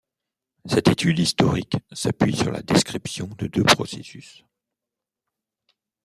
Cette étude historique s'appuie sur la description de deux processus.